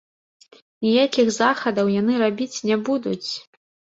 Ніякіх захадаў яны рабіць не будуць.